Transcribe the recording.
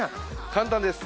簡単です！